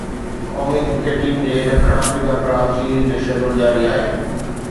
قومي cricket team جي ڏکڻ آفريڪا خلاف سيريز جو شيڊول جاري آهي